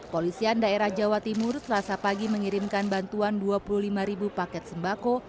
polisian daerah jawa timur selasa pagi mengirimkan bantuan dua puluh lima ribu paket sembako